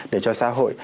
để cho xã hội